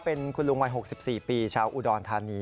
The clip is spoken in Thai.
เป็นคุณลุงวัย๖๔ปีชาวอุดรธานี